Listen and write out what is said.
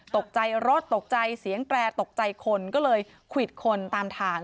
ตกใจรถตกใจเสียงแตรตกใจคนก็เลยควิดคนตามทาง